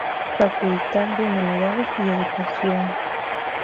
Facultad de Humanidades y Educación.